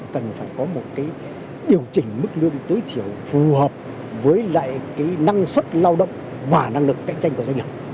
cần phải có một điều chỉnh mức lương tối thiểu phù hợp với lại cái năng suất lao động và năng lực cạnh tranh của doanh nghiệp